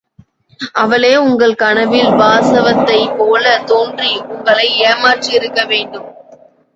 அவளே உங்கள் கனவில் வாசவதத்தை போலத் தோன்றி, உங்களை ஏமாற்றியிருக்க வேண்டும்!